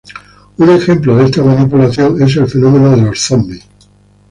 Un ejemplo de esta manipulación es el fenómeno de los zombis.